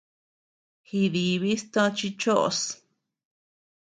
Jidibis toci choʼos.